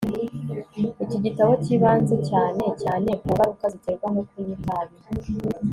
iki gitabo cyibanze cyane cyane ku ngaruka ziterwa no kunywa itabi